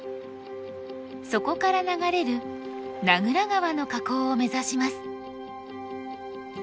そこから流れる名蔵川の河口を目指します。